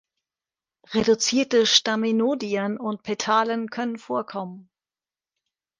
Reduzierte Staminodien und Petalen können vorkommen.